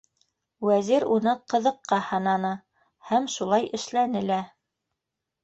Вәзир уны ҡыҙыҡҡа һананы һәм шулай эшләне лә.